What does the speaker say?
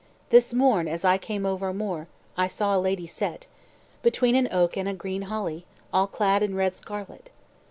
This morn as I came over a moor, I saw a lady set, Between an oak and a green holly, All clad in red scarlett.